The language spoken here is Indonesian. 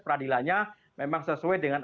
peradilannya memang sesuai dengan